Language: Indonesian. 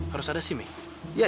harus ada sim ya